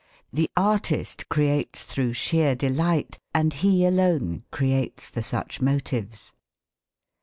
The artist creates through sheer delight, and he alone creates for such motives.